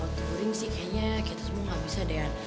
wah kalo turin sih kayaknya kita semua gak bisa deh an